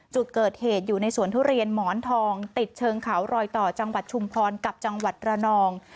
จุดเกิดเหตุอยู่ในสวนทุเรียนหมอนทองติดเชิงเขารอยต่อจังหวัดชุมพรกับจังหวัดระนอง